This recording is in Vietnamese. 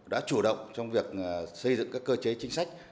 đã chủ động trong việc xây dựng các cơ chế chính sách